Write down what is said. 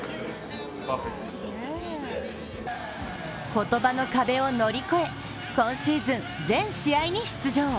言葉の壁を乗り越え、今シーズン全試合に出場。